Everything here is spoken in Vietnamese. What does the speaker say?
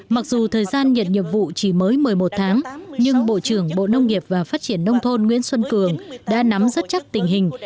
mặc dù thời gian nhận nhiệm vụ chỉ mới một mươi một tháng nhưng bộ trưởng bộ nông nghiệp và phát triển nông thôn nguyễn xuân cường đã nắm rất chắc tình hình